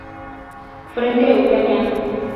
Frente Ucraniano.